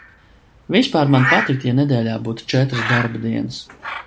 Vispār man patiktu, ja nedēļā būtu četras darba dienas.